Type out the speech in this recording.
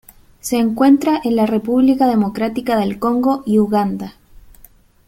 Se encuentra en la República Democrática del Congo y Uganda.